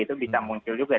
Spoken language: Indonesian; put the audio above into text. itu bisa muncul juga